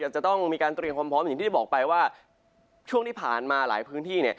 จะต้องมีการเตรียมความพร้อมอย่างที่ได้บอกไปว่าช่วงที่ผ่านมาหลายพื้นที่